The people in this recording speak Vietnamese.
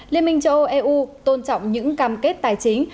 liên minh châu âu eu tôn trọng những cam kết tài chính